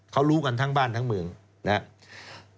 เขารู้กันทั้งบ้านทั้งเมืองนะครับ